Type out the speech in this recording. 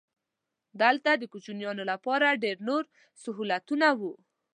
دلته د کوچیانو لپاره ډېر نور سهولتونه وو.